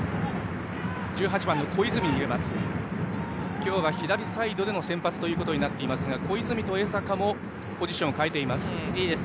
今日は左サイドでの先発になっていますがその小泉と江坂もポジションを変えています。